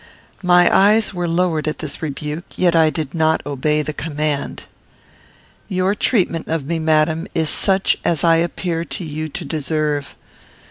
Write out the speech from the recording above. My eyes were lowered at this rebuke, yet I did not obey the command. "Your treatment of me, madam, is such as I appear to you to deserve.